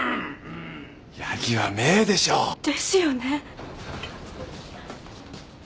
・ヤギはメエでしょ。ですよね。